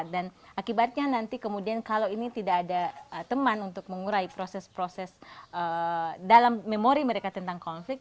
dan akibatnya nanti kemudian kalau ini tidak ada teman untuk mengurai proses proses dalam memori mereka tentang konflik